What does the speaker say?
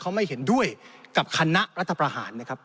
เขาไม่เห็นด้วยกับคณะรัฐประหารนะครับ